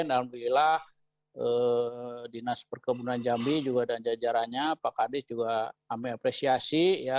alhamdulillah dinas perkebunan jambi juga dan jajarannya pak kadis juga kami apresiasi